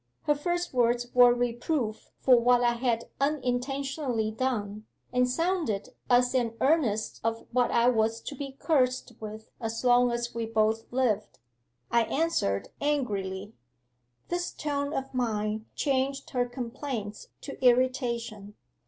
Her first words were reproof for what I had unintentionally done, and sounded as an earnest of what I was to be cursed with as long as we both lived. I answered angrily; this tone of mine changed her complaints to irritation.